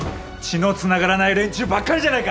血のつながらない連中ばっかりじゃないか！